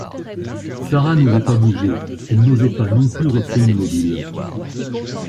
Sara n’osait pas bouger, elle n’osait pas non plus rester immobile.